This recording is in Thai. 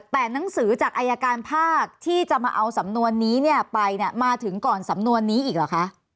แต่หนังสือจากอายการภาคที่จะมาเอาสำนวนนี้เนี่ยไปเนี่ยมาถึงก่อนสำนวนนี้อีกเหรอคะ